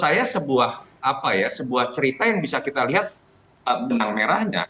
iya itu yang menurut saya sebuah cerita yang bisa kita lihat benang merahnya